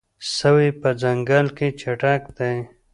سوی په ځنګل کې چټک دی.